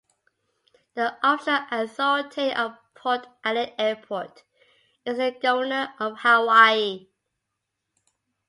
The official authority of Port Allen Airport is the Governor of Hawaii.